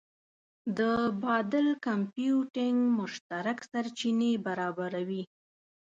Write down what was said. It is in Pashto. د بادل کمپیوټینګ مشترک سرچینې برابروي.